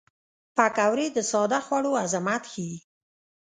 پکورې د ساده خوړو عظمت ښيي